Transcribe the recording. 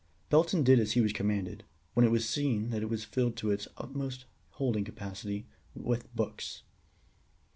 Belton did as he was commanded, when it was seen that it was filled to its utmost holding capacity with books.